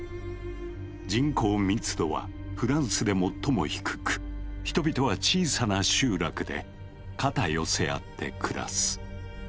人口密度はフランスで最も低く人々は小さな集落で肩寄せ合って暮らす。